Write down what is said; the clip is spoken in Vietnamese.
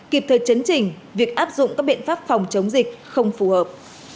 kịp thời chấn trình việc áp dụng các biện pháp phòng chống dịch không phù hợp